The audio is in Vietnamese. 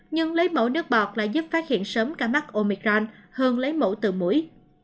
nhưng lấy mẫu nước bọt lại giúp phát hiện sớm cả mắt omicron hơn lấy mẫu từ mũi